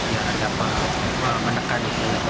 ya ada yang menekan